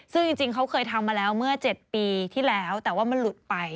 ซึ่งจริงเขาเคยทำมาแล้วเมื่อ๗ปีที่แล้วแต่ว่ามันหลุดไป